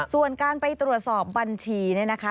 ส่วนการไปตรวจสอบบัญชีเนี่ยนะคะ